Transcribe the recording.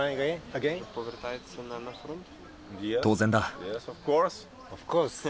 当然だ。